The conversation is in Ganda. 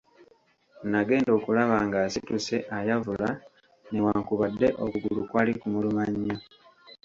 Nagenda okulaba ng'asituse ayavula, newakubadde okugulu kwali kumuluma nnyo.